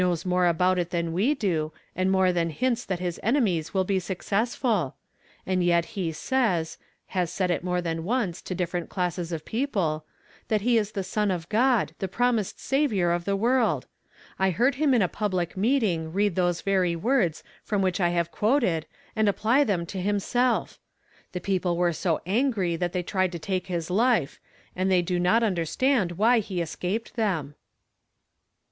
s more abont it than we do, and more than hints that his enemies will be successful ; and yet lie says — has said it more than once, to different classes of people — that ho is tlie Son of God, the promised Saviour of the world ! I heard him in a public meeting read those very words from which I have quoted aud apply them to himself! The people were so angry that they tried to take his life, and they do not understand why he escaped them."